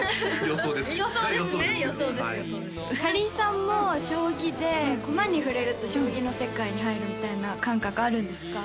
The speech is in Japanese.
予想ですかりんさんも将棋で駒に触れると将棋の世界に入るみたいな感覚あるんですか？